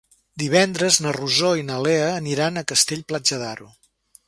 Divendres na Rosó i na Lea aniran a Castell-Platja d'Aro.